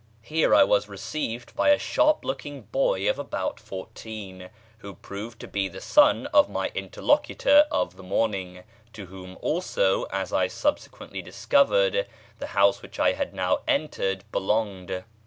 Here I was received by a sharp looking boy of about fourteen, who proved to be the son of my interlocutor of the morning, to whom also, as I subsequently discovered, the house which I had now entered belonged.